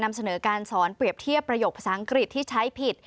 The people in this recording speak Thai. นำเสนอการสอนเปรียบเทียบประโยคภาษาอังกฤษที่ใช้ผิด